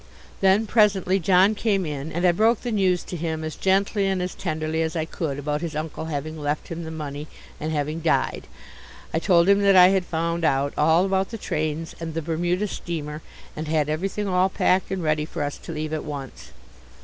Then presently John came in, and I broke the news to him as gently and as tenderly as I could about his uncle having left him the money and having died. I told him that I had found out all about the trains and the Bermuda steamer, and had everything all packed and ready for us to leave at once.